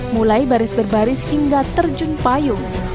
mulai baris baris hingga terjun payung